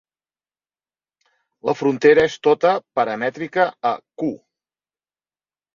La frontera és tota paramètrica a "q".